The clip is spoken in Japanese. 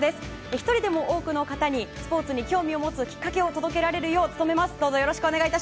１人でも多くの方にスポーツに興味を持つきっかけを届けられるよう努めます。